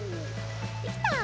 できた！